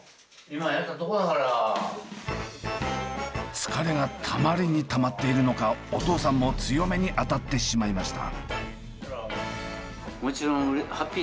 疲れがたまりにたまっているのかお父さんも強めに当たってしまいました。